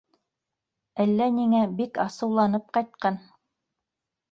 Әллә ниңә бик асыуланып ҡайтҡан.